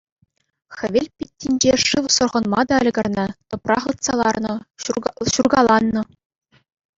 Хӗвел питтинче шыв сӑрхӑнма та ӗлкӗрнӗ, тӑпра хытса ларнӑ, ҫуркаланнӑ.